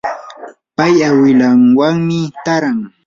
pay awilanwanmi taaran.